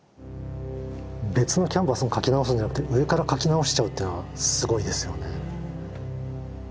別のキャンバスに描き直すんじゃなくて上から描き直しちゃうってのはすごいですよね。